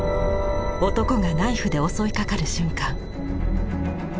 男がナイフで襲いかかる瞬間。